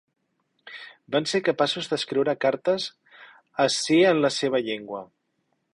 Van ser capaços d'escriure cartes a si en la seva llengua.